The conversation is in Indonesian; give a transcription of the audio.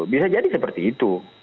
bisa jadi seperti itu